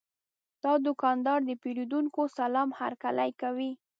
دا دوکاندار د پیرودونکو سلام هرکلی کوي.